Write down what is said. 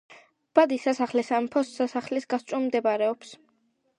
ბადის სასახლე სამეფო სასახლის გასწვრივ მდებარეობს.